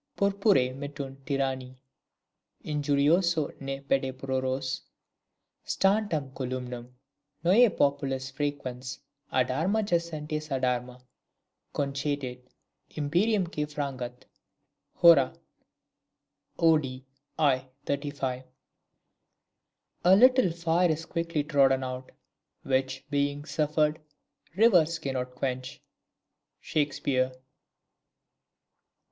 "Purpurei metuunt tyranni Injurioso ne pede proruas Stantem columnam; neu populus frequens Ad arma cessantes ad arma Concitet, imperiumque frangat." HORAT. Od. i 35. "A little fire is quickly trodden out, Which, being suffered, rivers cannot quench." SHAKESPEARE.